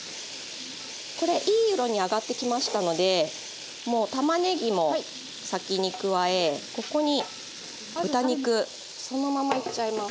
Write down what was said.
これいい色に揚がってきましたのでもうたまねぎも先に加えここに豚肉そのままいっちゃいます。